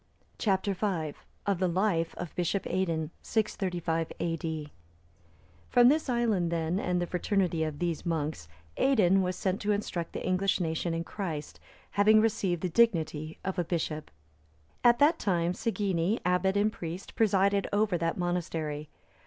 Chap. V. Of the life of Bishop Aidan. [635 A.D.] From this island, then, and the fraternity of these monks, Aidan was sent to instruct the English nation in Christ, having received the dignity of a bishop. At that time Segeni,(311) abbot and priest, presided over that monastery.